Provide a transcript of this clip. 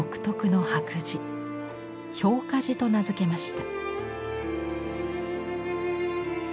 「氷華磁」と名付けました。